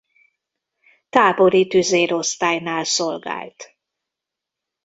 Tábori tüzérosztálynál szolgált.